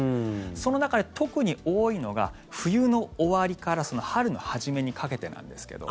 その中で特に多いのが冬の終わりから春の初めにかけてなんですけど。